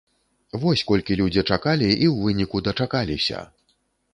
Вось колькі людзі чакалі і ў выніку дачакаліся!